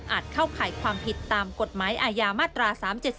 เข้าข่ายความผิดตามกฎหมายอาญามาตรา๓๗๒